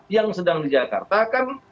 yang sedang di jakarta kan